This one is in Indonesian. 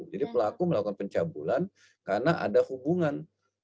jadi pelaku melakukan pencabulan karena ada hubungan